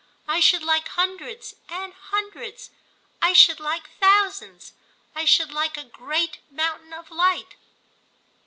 I should like hundreds and hundreds—I should like thousands; I should like a great mountain of light."